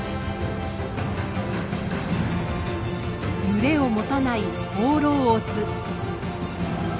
群れを持たない放浪オス。